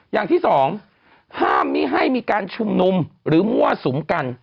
อย่างที่สองห้ามไม่ให้มีการชุมนุมหรือมั่วสุมกัน